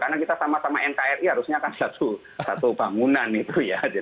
karena kita sama sama nkri harusnya kan satu bangunan itu ya